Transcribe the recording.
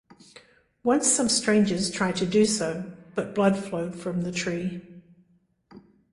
Once some strangers tried to do so, but blood flowed from the tree.